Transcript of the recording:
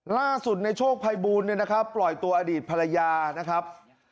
ล่าสุดในโชคภัยบูลเนี่ยนะครับปล่อยตัวอดีตภรรยานะครับ